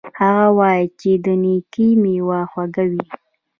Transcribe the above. هغه وایي چې د نیکۍ میوه خوږه وي